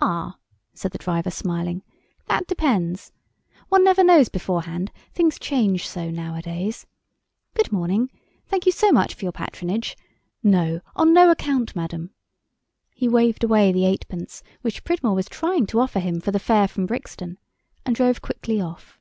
"Ah," said the driver, smiling, "that depends. One never knows beforehand, things change so nowadays. Good morning. Thank you so much for your patronage. No, on no account, Madam." He waved away the eightpence which Pridmore was trying to offer him for the fare from Brixton, and drove quickly off.